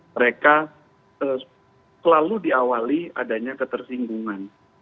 mereka selalu diawali adanya ketersinggungan